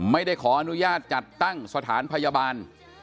ไม่ได้ขออนุญาตจัดตั้งสถานพยาบาล